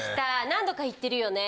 何度か行ってるよね？